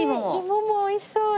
芋も美味しそう！